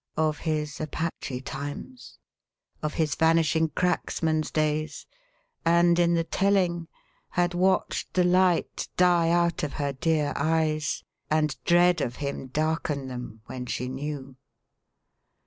Of his Apache times of his Vanishing Cracksman's days and, in the telling, had watched the light die out of her dear eyes and dread of him darken them, when she knew.